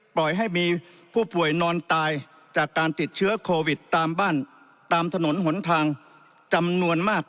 ปล่อยให้มีผู้ป่วยนอนตายจากการติดเชื้อโควิดตามบ้าน